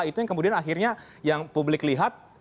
itu yang kemudian akhirnya yang publik lihat